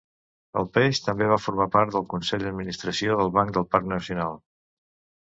El peix també va formar part del Consell d'administració del Banc del parc nacional.